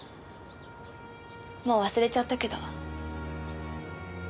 もう忘れちゃったけど。